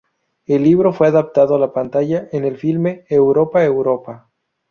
El libro fue adaptado a la pantalla en el filme "Europa Europa".